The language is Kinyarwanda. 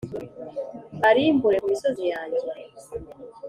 mbarimbure ku misozi yanjye.